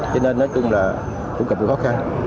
cho nên nói chung là cũng gặp khó khăn